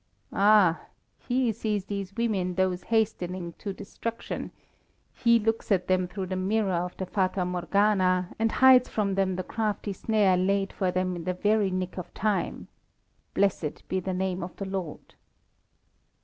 Ah! He sees these women thus hastening to destruction, He looks at them through the mirror of the Fata Morgana, and hides from them the crafty snare laid for them in the very nick of time. Blessed be the name of the Lord!